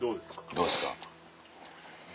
どうですか？